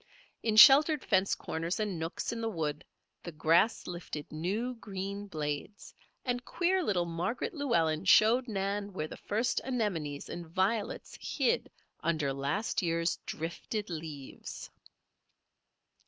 In sheltered fence corners and nooks in the wood, the grass lifted new, green blades, and queer little Margaret Llewellen showed Nan where the first anemones and violets hid under last year's drifted leaves.